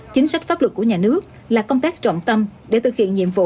chính sách pháp luật của nhà nước là công tác trọng tâm để thực hiện nhiệm vụ